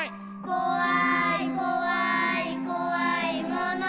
「こわいこわいこわいもの」